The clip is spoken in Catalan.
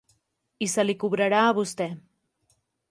I se li cobrarà a vostè.